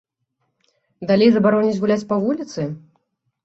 Далей забароняць гуляць па вуліцы?